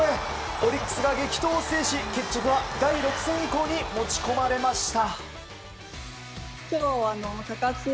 オリックスが激闘を制し、決着は第６戦以降に持ち込まれました。